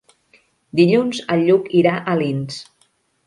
Dilluns en Lluc irà a Alins.